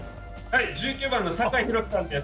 １９番の酒井宏樹さんです。